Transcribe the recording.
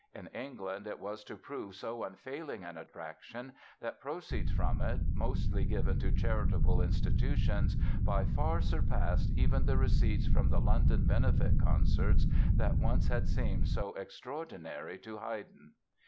In England it "was to prove so unfailing an attraction that proceeds from it, mostly given to charitable institutions, by far surpassed even the receipts from the London benefit concerts that once had seemed so extraordinary to Haydn".